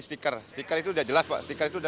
stiker stiker itu udah jelas pak stiker itu sudah